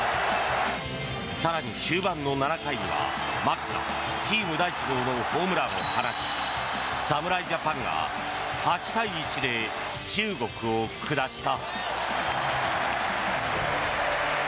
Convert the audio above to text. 更に終盤の７回には牧がチーム第１号のホームランを放ち侍ジャパンが８対１で中国を下した。